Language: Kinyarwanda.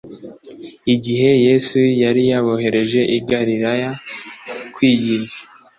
Igihe Yesu yari yabohereje i Galilaya kwigisha,